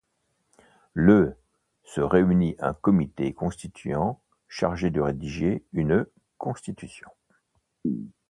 Le se réunit un comité constituant chargé de rédiger une Constitution.